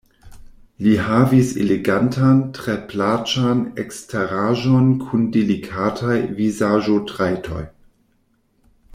Li havis elegantan, tre plaĉan eksteraĵon kun delikataj vizaĝotrajtoj.